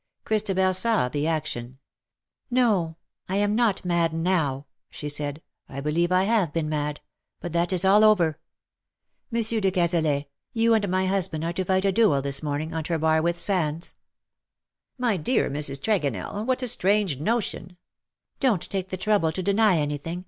Christabel saw the action. "No, I am not mad, now,''' she said; "I believe I have been mad, but that is all over. Monsieur de Cazalet, you and my husband are to fight a duel this morning, on Trebarwith sands.'' WITH A PALE YET STEADY FACE." 279 ^^My dear Mrs. Tregonell, what a strange notion V ^^ Don^t take the trouble to deny anything.